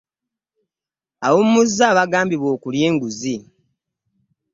Awummuzza abagambibwa okulya enguzi.